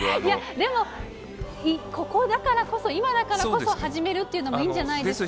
でも、ここだからこそ、今だからこそ、始めるというのもいいんじゃないですか？